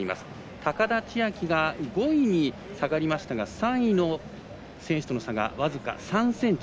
高田千明が５位に下がりましたが３位の選手との差が僅か３ｃｍ。